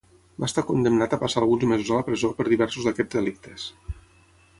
Va estar condemnat a passar alguns mesos a la presó per diversos d'aquests delictes.